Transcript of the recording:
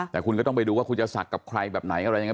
แต่คุณก็ต้องไปดูว่าคุณจะศักดิ์กับใครแบบไหนอะไรยังไง